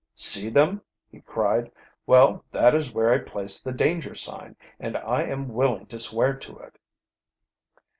"See them?" he cried. "Well, that is where I placed the danger sign, and I am willing to swear to it."